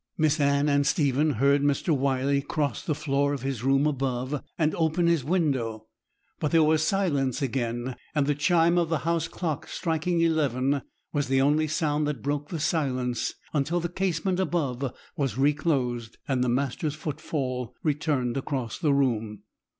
Miss Anne and Stephen heard Mr. Wyley cross the floor of his room above, and open his window; but there was silence again, and the chime of the house clock striking eleven was the only sound that broke the silence until the casement above was reclosed, and the master's footfall returned across the room.